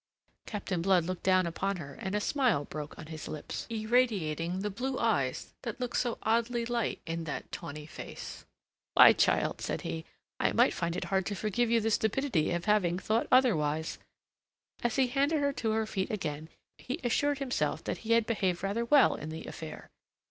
Captain Blood looked down upon her, and a smile broke on his lips, irradiating the blue eyes that looked so oddly light in that tawny face. "Why, child," said he, "I might find it hard to forgive you the stupidity of having thought otherwise." As he handed her to her feet again, he assured himself that he had behaved rather well in the affair.